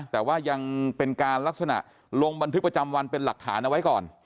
แต่ว่ายังเป็นการลักษณะลงบันทึกประจำวันเป็นหลักฐานเอาไว้ก่อน